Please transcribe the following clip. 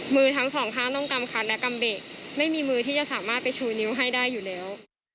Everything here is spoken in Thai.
มือทั้งสองข้างต้องกำคันและกำเบะไม่มีมือที่จะสามารถไปชูนิ้วให้ได้อยู่แล้ว